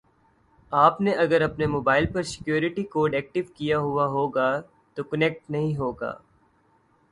آپ نے اگر اپنے موبائل پر سیکیوریٹی کوڈ ایکٹیو کیا ہوا ہوگا تو کنیکٹ نہیں ہوگا